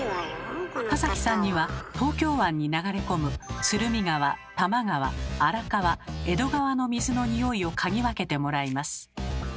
田崎さんには東京湾に流れ込む鶴見川多摩川荒川江戸川の水のニオイを嗅ぎ分けてもらいます。